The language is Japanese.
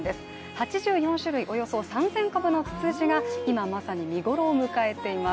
８４種類、およそ３０００株のツツジがまさに見頃を迎えています。